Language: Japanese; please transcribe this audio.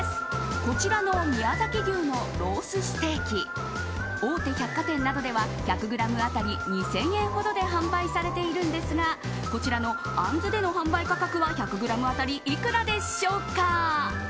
こちらの宮崎牛のロースステーキ大手百貨店などでは１００ｇ当たり２０００円ほどで販売されているんですがこちらのあんずでの販売価格は１００ｇ当たりいくらでしょうか。